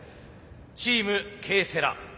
チームＫセラ。